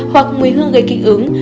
hoặc mùi hương gây kích ứng